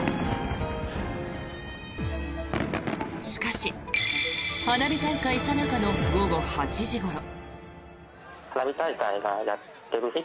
しかし、花火大会さなかの午後８時ごろ。